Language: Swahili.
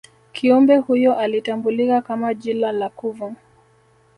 kiumbe huyo alitambulika kama jila la kuvu